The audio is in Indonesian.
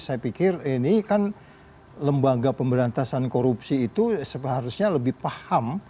saya pikir ini kan lembaga pemberantasan korupsi itu seharusnya lebih paham